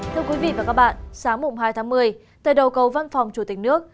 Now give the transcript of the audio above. thưa quý vị và các bạn sáng mùng hai tháng một mươi tại đầu cầu văn phòng chủ tịch nước